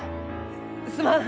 すまん！